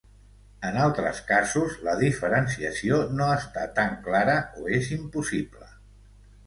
En altres casos, la diferenciació no està tan clara o és impossible.